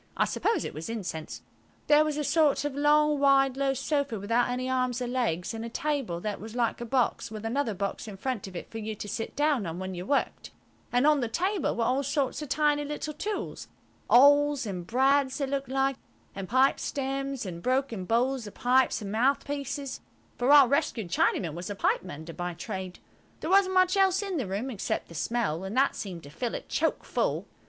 I suppose it was incense. There was a sort of long, wide, low sofa, without any arms or legs, and a table that was like a box, with another box in front of it for you to sit down on when you worked, and on the table were all sorts of tiny little tools–awls and brads they looked like–and pipe stems and broken bowls of pipes and mouthpieces, for our rescued Chinaman was a pipe mender by trade. There wasn't much else in the room except the smell, and that seemed to fill it choke full.